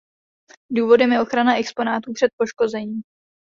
Důvodem je ochrana exponátů před poškozením.